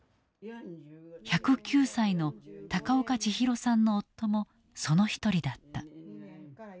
１０９歳の高岡千尋さんの夫もその一人だった。